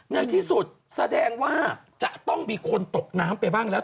ในที่สุดแสดงว่าจะต้องมีคนตกน้ำไปบ้างแล้ว